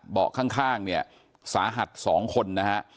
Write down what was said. เบาะข้างเนี่ยสาหัส๒คนนะฮะ